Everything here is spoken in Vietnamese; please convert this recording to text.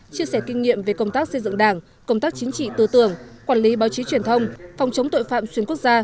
chia sẻ kinh nghiệm về công tác xây dựng đảng công tác chính trị tư tưởng quản lý báo chí truyền thông phòng chống tội phạm xuyên quốc gia